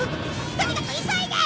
とにかく急いで！